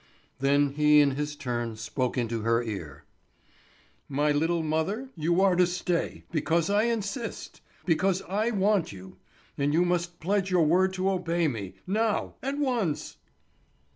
Then he in his turn spoke into her ear: "My little mother, you are to stay, because I insist, because I want you. And you must pledge your word to obey me, now, at once."